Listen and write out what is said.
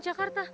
ini mas robin ya